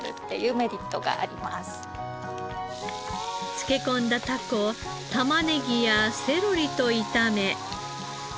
漬け込んだタコを玉ねぎやセロリと炒め。